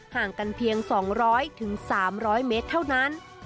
ห่างกันเพียง๒๐๐๓๐๐เมตรเท่านั้น